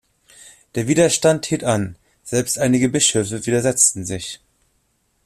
Der Widerstand hielt an, selbst einige Bischöfe widersetzten sich.